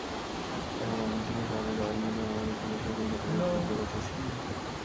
তাঁরা ময়মনসিংহ শহরের Royal Media নামের একটি বেসরকারি কলেজের দ্বিতীয় বর্ষের শিক্ষার্থী।